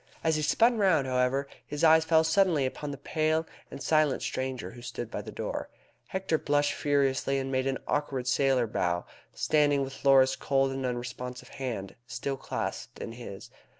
As he spun round, however, his eyes fell suddenly upon the pale and silent stranger who stood by the door. Hector blushed furiously, and made an awkward sailor bow, standing with Laura's cold and unresponsive hand still clasped in his.